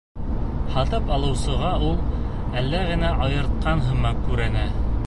Һатып алыусыға ул әле генә айыртҡан һымаҡ күренә.